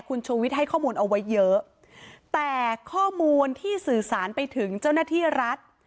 คุณชูวิทย์ให้ข้อมูลเอาไว้เยอะแต่ข้อมูลที่สื่อสารไปถึงเจ้าหน้าที่รัฐ